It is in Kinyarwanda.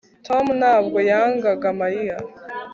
tom ntabwo yangaga mariya